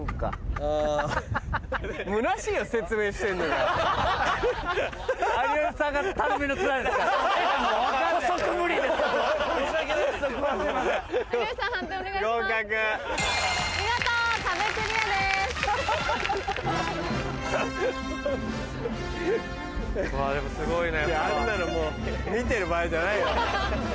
あんなの見てる場合じゃないよ。